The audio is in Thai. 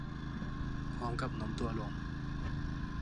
พร้อมกับโน้มตัวลง